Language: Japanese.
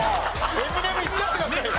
エミネムいっちゃってくださいよ。